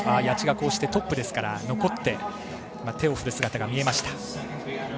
谷地がトップですから残って手を振る姿が見えました。